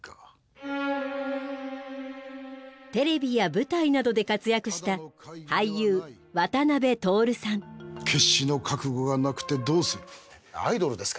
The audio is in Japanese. テレビや舞台などで活躍した決死の覚悟がなくてどうする。